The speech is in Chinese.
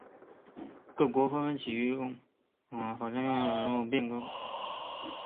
各国纷纷启用法家人物变法改革。